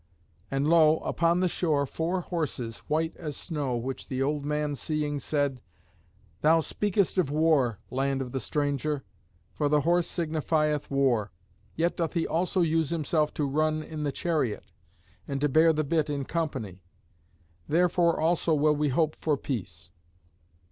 And lo! upon the shore four horses white as snow, which the old man seeing, said, "Thou speakest of war, land of the stranger; for the horse signifieth war, yet doth he also use himself to run in the chariot, and to bear the bit in company; therefore also will we hope for peace."